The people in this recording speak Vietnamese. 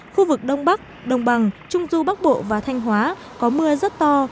khu vực đông bắc đồng bằng trung du bắc bộ và thanh hóa có mưa rất to